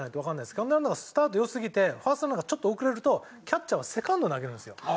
セカンドランナーがスタート良すぎてファーストランナーがちょっと遅れるとキャッチャーはセカンドに投げるんですよ。